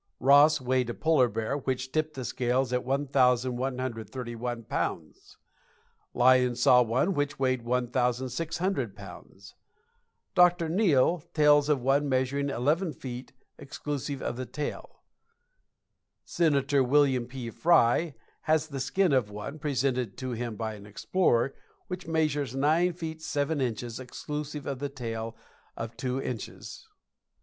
Ross weighed a polar bear which tipped the scales at 1,131 pounds; Lyon saw one which weighed 1,600 pounds; Dr. Neale tells of one measuring eleven feet exclusive of the tail. Senator Wm. P. Frye has the skin of one, presented to him by an explorer, which measures nine feet seven inches exclusive of the tail of two inches.